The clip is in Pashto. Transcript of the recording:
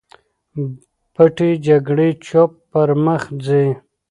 پټې جګړې چوپ پر مخ ځي.